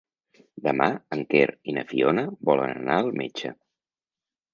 Demà en Quer i na Fiona volen anar al metge.